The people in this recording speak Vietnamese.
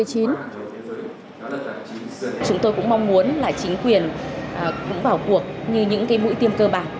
chúng tôi cũng mong muốn là chính quyền cũng vào cuộc như những mũi tiêm cơ bản